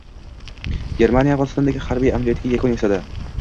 Germaniya Afg‘onistondagi harbiy amaliyotiga yakun yasadi